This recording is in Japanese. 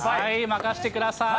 任してください。